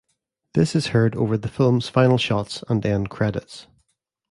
This is heard over the film's final shots and end credits.